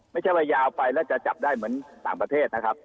ไม่ใช่ว่ายาวไปแล้วจะจับได้เหมือนต่างประเทศนะครับ